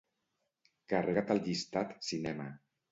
Carrega't el llistat "cinema".